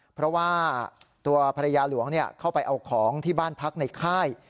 เพราะว่าตัวภรรยาหลวงเข้าไปเอาของที่บ้านพักในค่าย